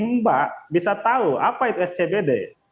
mbak bisa tahu apa itu scbd